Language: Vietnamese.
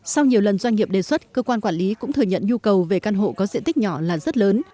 sau nhiều lần doanh nghiệp đề xuất cơ quan quản lý cũng thừa nhận nhu cầu về căn hộ có diện tích nhỏ là rất lớn